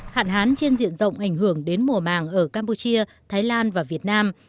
hạn hán trên diện rộng ảnh hưởng đến mùa màng ở campuchia thái lan và việt nam